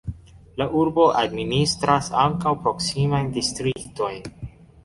La urbo administras ankaŭ proksimajn distriktojn.